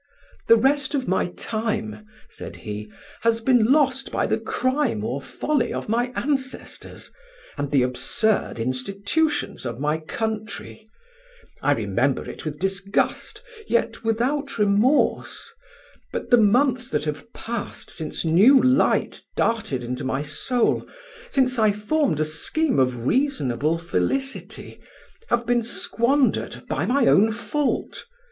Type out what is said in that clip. "The rest of my time," said he, "has been lost by the crime or folly of my ancestors, and the absurd institutions of my country; I remember it with disgust, yet without remorse: but the months that have passed since new light darted into my soul, since I formed a scheme of reasonable felicity, have been squandered by my own fault.